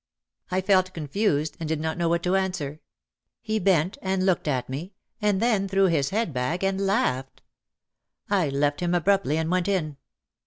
I felt confused and did not know what to answer. He bent and looked at me and then threw his head back and laughed. I left him abruptly and went in.